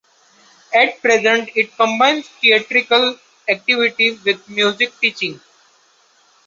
At present, it combines theatrical activity with musical teaching.